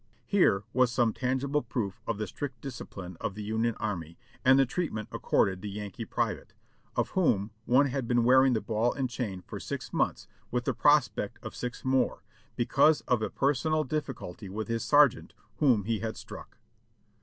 Here was some tangible proof of the strict discipline of the Union Army, and the treatment accorded the Yankee private, of whom one had been wearing the ball and chain for six months with the prospect of six more, because of a personal difficulty with his sergeant, whom he had struck.